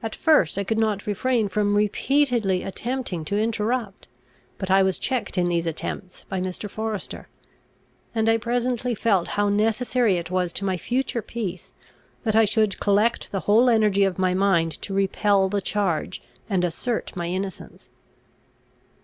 At first I could not refrain from repeatedly attempting to interrupt; but I was checked in these attempts by Mr. Forester; and I presently felt how necessary it was to my future peace, that I should collect the whole energy of my mind to repel the charge, and assert my innocence.